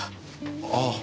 ああ。